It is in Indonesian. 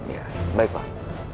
ya baik pak